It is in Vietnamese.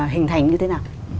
hình thành như thế nào